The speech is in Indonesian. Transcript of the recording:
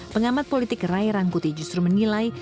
pengamat politik rai rangkuti justru menilai